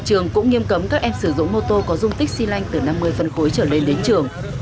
trường cũng nghiêm cấm các em sử dụng mô tô có dung tích xy lanh từ năm mươi phân khối trở lên đến trường